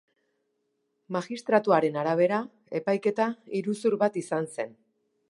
Magistratuaren arabera, epaiketa iruzur bat izan zen.